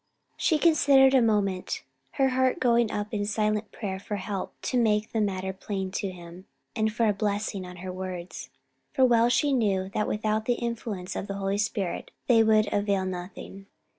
She considered a moment, her heart going up in silent prayer for help to make the matter plain to him, and for a blessing on her words; for well she knew that without the influence of the Holy Spirit they would avail nothing.